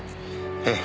ええ。